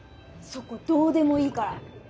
そこどうでもいいから！